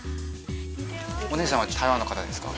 お姉さんは台湾の方ですか？